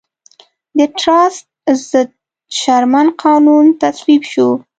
د ټراست ضد شرمن قانون تصویب شو.